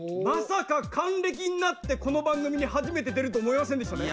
まさか還暦になってこの番組に初めて出ると思いませんでしたね。